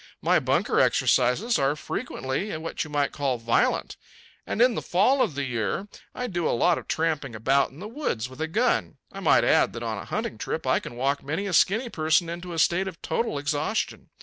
My bunker exercises are frequently what you might call violent. And in the fall of the year I do a lot of tramping about in the woods with a gun. I might add that on a hunting trip I can walk many a skinny person into a state of total exhaustion."